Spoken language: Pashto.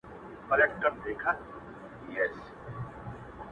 داسي نه كړو؛